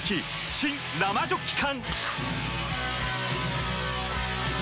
新・生ジョッキ缶！